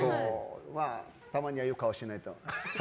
たまには、ああいう顔しないと。